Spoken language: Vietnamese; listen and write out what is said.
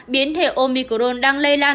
biến thể omicron đang lây lan